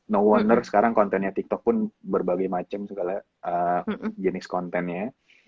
no worner sekarang kontennya tiktok pun berbagai macam segala jenis kontennya